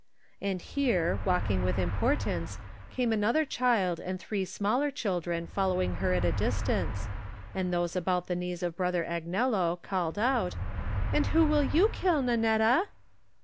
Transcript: And here, walking with importance, came another child and three smaller children following her at a distance, and those about the knees of Brother Agnello called out, "And who will you kill, Nannetta?"